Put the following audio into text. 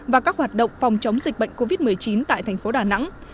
và các hoạt động phòng chống dịch bệnh covid một mươi chín tại thành phố đà nẵng